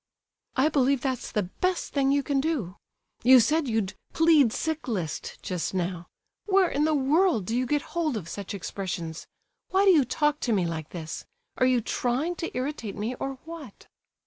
"I believe that's the best thing you can do. You said you'd 'plead sick list' just now; where in the world do you get hold of such expressions? Why do you talk to me like this? Are you trying to irritate me, or what?"